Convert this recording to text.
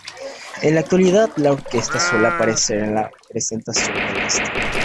En la actualidad, la orquesta suele aparecer en las presentaciones de Last.